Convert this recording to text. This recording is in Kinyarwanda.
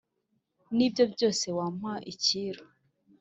n’ibyo byose wampa icyiru,